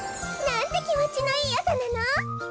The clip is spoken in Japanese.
なんてきもちのいいあさなの。